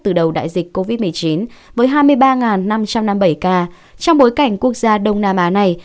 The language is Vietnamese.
từ đầu đại dịch covid một mươi chín với hai mươi ba năm trăm năm mươi bảy ca trong bối cảnh quốc gia đông nam á này